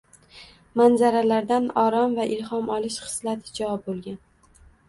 manzaralardan orom va ilhom olish xislati jo bo‘lgan